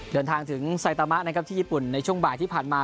เดินทางถึงไซตามะนะครับที่ญี่ปุ่นในช่วงบ่ายที่ผ่านมา